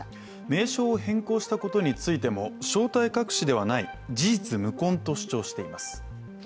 名称を変更したことについても正体隠しではない、事実無根と主張しています。